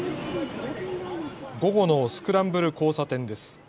午後のスクランブル交差点です。